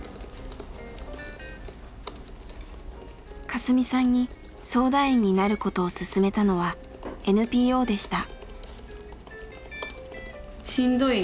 カスミさんに相談員になることを勧めたのはＮＰＯでした。